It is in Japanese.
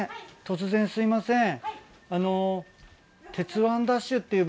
突然すいません。